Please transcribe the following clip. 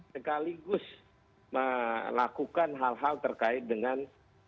sekaligus melakukan hal hal terkait dengan